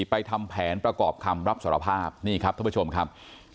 ทำแผนประกอบคำรับสารภาพนี่ครับท่านผู้ชมครับ